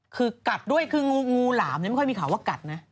คือกัดด้วยคืองูหลามไม่ค่อยมีข่าวว่ากัดนะ